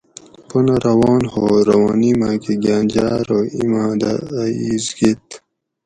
پنہ روان ہو روانی ماکہ گھاۤن جاۤ ارو اِیماۤ دہ اۤ اِیس گیت